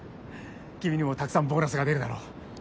君にもたくさんボーナスが出るだろう。